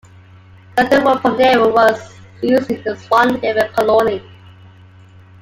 Sandalwood from the area was used in the Swan River Colony.